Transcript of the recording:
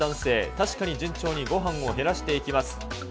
確かに順調にごはんを減らしていきます。